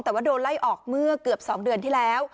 แต่ว่าโดนไล่ออกเมื่อเกือบ๒เดือนที่แล้ว